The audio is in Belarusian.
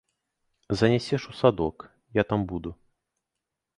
Занясеш у садок, я там буду.